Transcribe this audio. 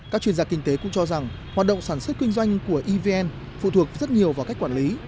các chuyên gia kinh tế cũng cho rằng hoạt động sản xuất kinh doanh của evn phụ thuộc rất nhiều vào cách quản lý